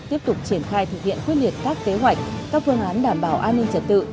tiếp tục triển khai thực hiện quyết liệt các kế hoạch các phương án đảm bảo an ninh trật tự